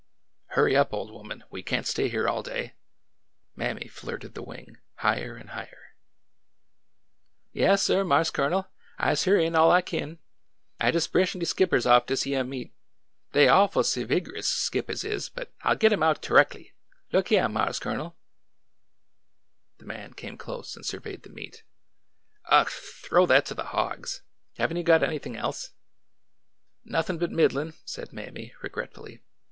" Hurry up, old woman ! We can't stay here all day! Mammy flirted the wing higher and higher. 214 ORDER NO. 11 Yaassir, Marse Colonel, I 's hurryin^ all I kin. I jes' breshin' de skippers off dishyeah meat. Dey awful ser vigroiis, skippers is, but I 'll git 'em out toreckly. Look hyeah, Marse Colonel !" The man came close and surveyed the meat. Ugh !— throw that to the hogs ! Have n't you got anything else?" Nothin' but middlin'*" said Mammy, regretfully.